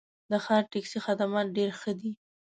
د ښار ټکسي خدمات ډېر ښه دي.